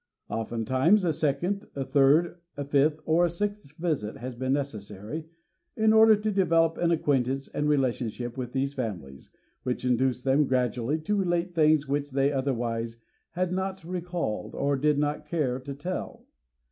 Oftentimes a second, a third, a fifth, or a sixth visit has been neces sary in order to develop an acquaintance and relation ship with these families which induced them gradually to relate things which they otherwise had not recalled or did not care to tell.